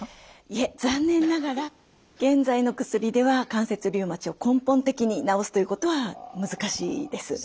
いえ残念ながら現在の薬では関節リウマチを根本的に治すということは難しいです。